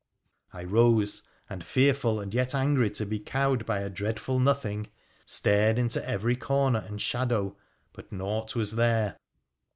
I rose, and, fearful and yet ,ngry to be cowed by a dreadful nothing, stared into every orner and shadow, but naught was there.